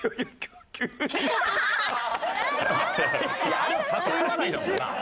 あれは誘い笑いだもんな。